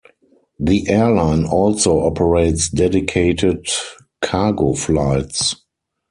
The airline also operates dedicated cargo flights.